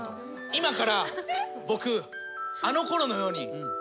今から僕あのころのように。